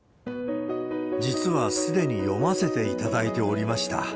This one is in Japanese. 実はすでに読ませていただいておりました。